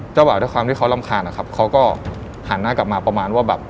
บ่าวด้วยความที่เขารำคาญนะครับเขาก็หันหน้ากลับมาประมาณว่าแบบ